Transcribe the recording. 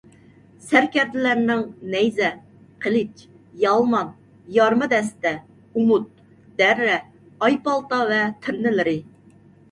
سەركەردىلەرنىڭ نەيزە، قىلىچ، يالمان، يارما دەستە، ئۇمۇت، دەررە، ئايپالتا ۋە تىرنىلىرى